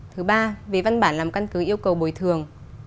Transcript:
thứ ba về văn bản làm căn cứ yêu cầu bồi thường